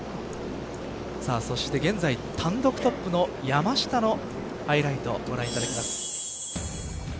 そして現在単独トップの山下のハイライト、ご覧いただきます。